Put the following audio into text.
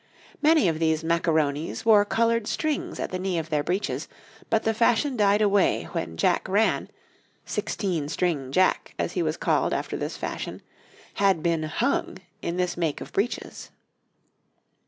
Many of these Macaronis wore coloured strings at the knee of their breeches, but the fashion died away when Jack Rann, 'Sixteen String Jack,' as he was called after this fashion, had been hung in this make of breeches.